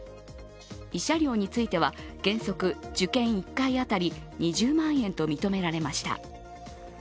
慰謝料については、原則受験１回当たり２０万円と認められました。